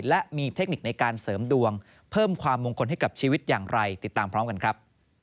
และมีเทคนิคในการเสริมดวงเพิ่มความมงคลให้กับชีวิตอย่างไรติดตามพร้อมกันครับ